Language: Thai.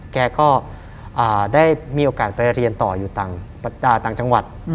แกก็ได้มีโอกาสไปเรียนต่ออยู่ต่างจังหวัด